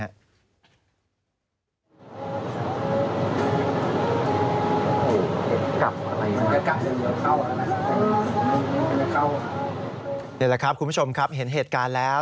นี่แหละครับคุณผู้ชมครับเห็นเหตุการณ์แล้ว